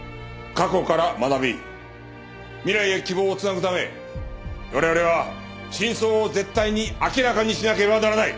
過去から学び未来へ希望を繋ぐため我々は真相を絶対に明らかにしなければならない。